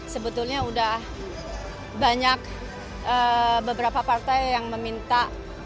sebetulnya sudah banyak beberapa partai yang meminta